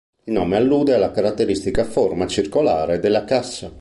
Il nome allude alla caratteristica forma circolare della cassa.